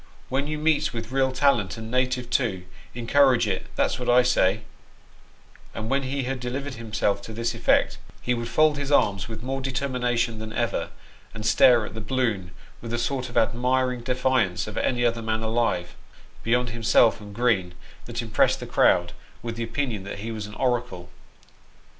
When you meets with real talent, and native, too, encourage it, that's what I say ;" and when he had delivered himself to this effect, he would fold his arms with more determination than ever, and stare at the balloon with a sort of admiring defiance of any other man alive, beyond himself and Green, that impressed the crowd with the opinion that ho was an oracle.